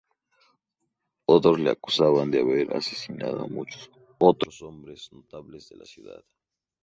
Otros le acusaban de haber asesinado a muchos otros hombres notables de la ciudad.